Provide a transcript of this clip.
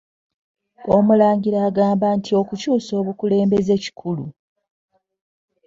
Omulangira agamba nti okukyusa obukulembeze kikulu